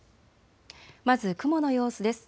まず雲の様子です。